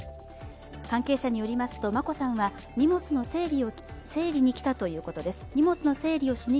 関係者によりますと眞子さんは荷物の整理をしにきたということです。